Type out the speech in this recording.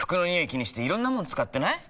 気にしていろんなもの使ってない？